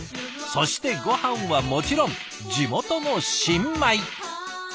そしてごはんはもちろん地元の新米！